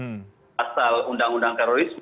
kalau sudah tercantum asal undang undang terorisme